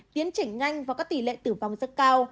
tiến triển nhanh và các tỷ lệ tử vong rất cao